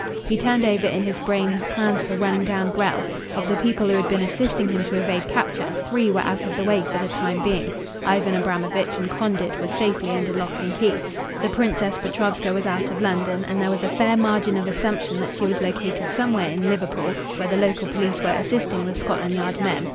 He turned over in his brain his plans for running down Grell. Of the people who had been assisting him to evade capture three were out of the way for the time being. Ivan Abramovitch and Condit were safely under lock and key. The Princess Petrovska was out of London, and there was a fair margin of assumption that she was located somewhere in Liverpool, where the local police were assisting the Scotland Yard men.